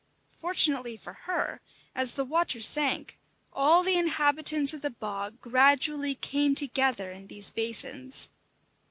Fortunately for her, as the water sank, all the inhabitants of the bog gradually came together in these basins.